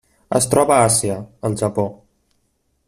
Es troba a Àsia: el Japó.